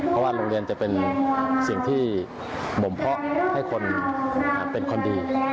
เพราะว่าโรงเรียนจะเป็นสิ่งที่บ่มเพาะให้คนเป็นคนดี